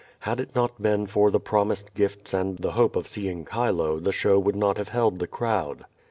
Had it not been for the promised gifts and the hope of seeing Chilo the show would not have held the crowd.